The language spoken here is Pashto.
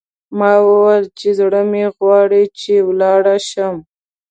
ما وویل چې، زړه مې غواړي چې ولاړ شم.